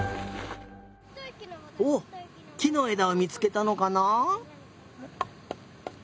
おっきのえだをみつけたのかな？